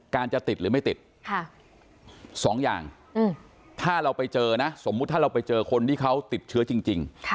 จะติดหรือไม่ติดสองอย่างถ้าเราไปเจอนะสมมุติถ้าเราไปเจอคนที่เขาติดเชื้อจริง